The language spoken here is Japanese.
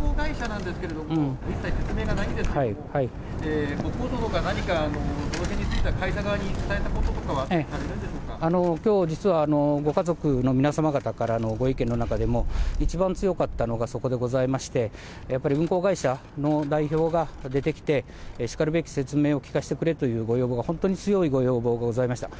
運航会社なんですけれども、一切、説明がないんですけれども、国交省のほうから何かそのへんについては会社側に伝えたこととかきょう、実はご家族の皆様方からのご意見の中でも、一番強かったのがそこでございまして、やっぱり運航会社の代表が出てきて、しかるべき説明を聞かせてくれというご要望が、本当に強いご要望がございました。